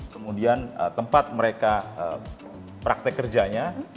kemudian tempat mereka praktek kerjanya